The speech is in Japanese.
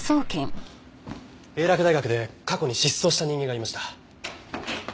英洛大学で過去に失踪した人間がいました。